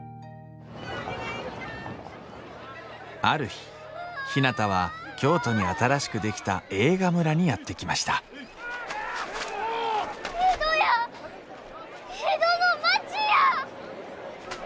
ある日ひなたは京都に新しく出来た映画村にやって来ました江戸や。